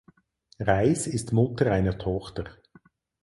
Reis ist Mutter einer Tochter.